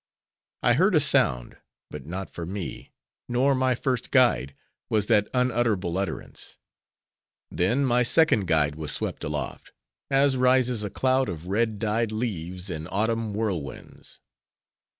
I heard a sound; but not for me, nor my first guide, was that unutterable utterance. Then, my second guide was swept aloft, as rises a cloud of red dyed leaves in autumn whirlwinds.